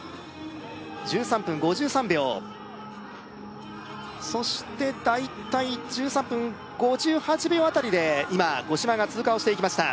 １３分５３秒そして大体１３分５８秒辺りで今五島が通過をしていきました